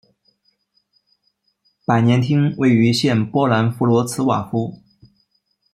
百年厅位于现波兰弗罗茨瓦夫。